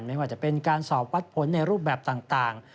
ไม่ว่าจะเป็นการสอบวัดผลในรูปแบบต่าง